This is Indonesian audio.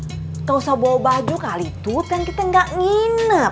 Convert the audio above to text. enggak usah bawa baju kali tut kan kita enggak nginep